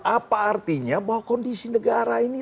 apa artinya bahwa kondisi negara ini